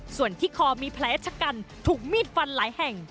ส่วนที่คอมีแผลชะกันถูกมีดฟันหลายแห่ง